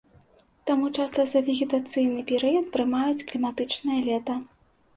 Таму часта за вегетацыйны перыяд прымаюць кліматычнае лета.